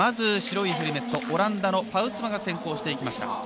白いヘルメット、オランダのパウツマが先行してきました。